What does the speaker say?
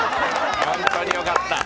本当によかった。